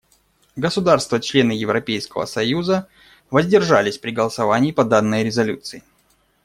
Государства — члены Европейского союза воздержались при голосовании по данной резолюции.